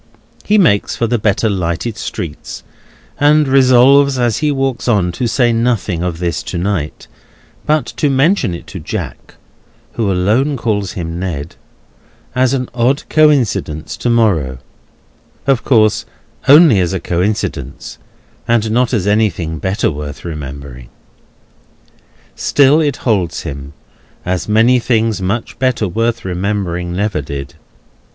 He makes for the better lighted streets, and resolves as he walks on to say nothing of this to night, but to mention it to Jack (who alone calls him Ned), as an odd coincidence, to morrow; of course only as a coincidence, and not as anything better worth remembering. Still, it holds to him, as many things much better worth remembering never did.